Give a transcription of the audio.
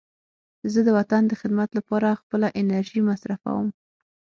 زه د وطن د خدمت لپاره خپله انرژي مصرفوم.